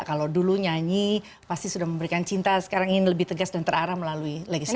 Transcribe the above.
kalau dulu nyanyi pasti sudah memberikan cinta sekarang ingin lebih tegas dan terarah melalui legislatif